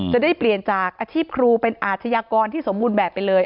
จะได้เปลี่ยนจากอาชีพครูเป็นอาชญากรที่สมบูรณ์แบบไปเลย